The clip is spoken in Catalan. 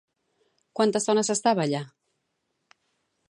Quanta estona s'estava allà?